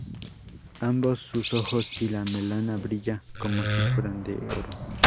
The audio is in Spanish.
Ambos sus ojos y la melena brilla como si fueran de oro.